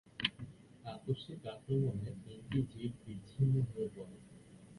আকস্মিক আক্রমণে তিনটি জিপ বিচ্ছিন্ন হয়ে পড়ে।